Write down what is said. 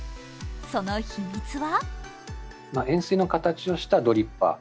その秘密は。